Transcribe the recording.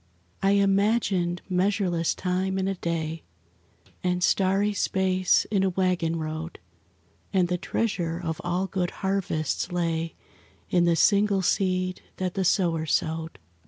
I imagined measureless time in a day, And starry space in a waggon road, And the treasure of all good harvests lay In the single seed that the sower sowed.